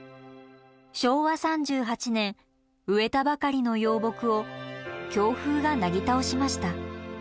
昭和３８年植えたばかりの幼木を強風がなぎ倒しました。